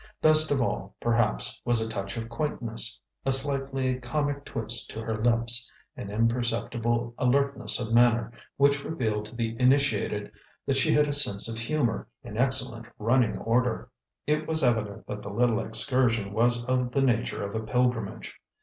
Best of all, perhaps, was a touch of quaintness, a slightly comic twist to her lips, an imperceptible alertness of manner, which revealed to the initiated that she had a sense of humor in excellent running order. It was evident that the little excursion was of the nature of a pilgrimage.